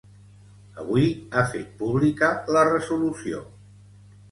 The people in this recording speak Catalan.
Avui ha fet pública la resolució.